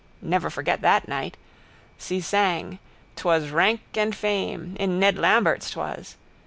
Never forget that night. Si sang 'Twas rank and fame: in Ned Lambert's 'twas.